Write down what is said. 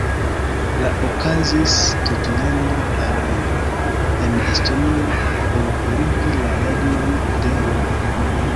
La okazis tutlanda aranĝo en Estonio por purigi la regnon de rubo.